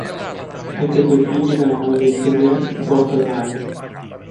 Ebbe due figli dalla moglie Julie Bourdelain.